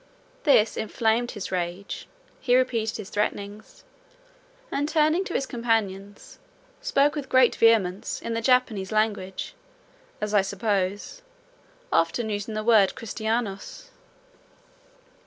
This inflamed his rage; he repeated his threatenings, and turning to his companions, spoke with great vehemence in the Japanese language, as I suppose, often using the word Christianos.